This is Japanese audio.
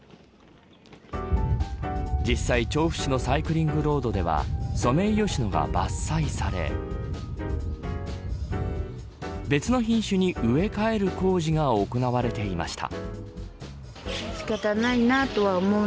実際、調布市のサイクリングロードではソメイヨシノが伐採され別の品種に植え替える工事が行われていました。